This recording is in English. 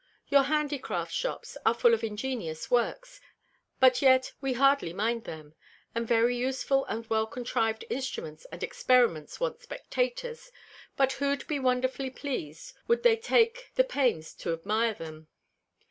Your Handycraft Shops are full of ingenious Works; but yet we hardly mind them: And very useful and well contriv'd Instruments and Experiments want Spectators, who wou'd be wonderfully pleas'd, wou'd they take the pains to admire them.